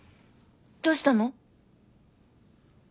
どうしたの？